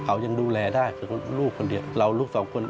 เขายังดูแลได้คือลูกคนเดียวเราลูกสองคน